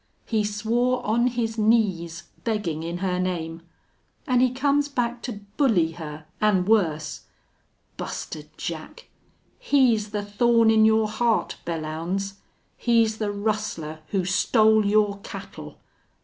He swore on his knees, beggin' in her name!... An' he comes back to bully her, an' worse.... Buster Jack!... He's the thorn in your heart, Belllounds. He's the rustler who stole your cattle!...